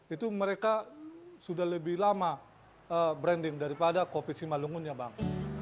itu mereka sudah lebih lama branding daripada kopi simalungun ya bang